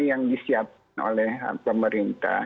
yang disiapkan oleh pemerintah